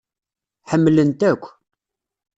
Ḥemmlen-t akk.